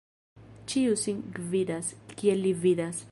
Ĉiu sin gvidas, kiel li vidas.